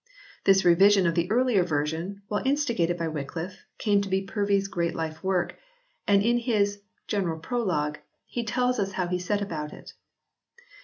This revision of the earlier version, while instigated by Wycliffe, came to be Purvey s great life work, and in his " General Prologue " he tells us how he set about it.